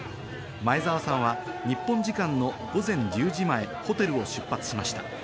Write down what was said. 前澤さんは日本時間の午前１０時前、ホテルを出発しました。